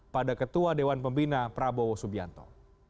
pada ketua dewan pembina prabowo subianto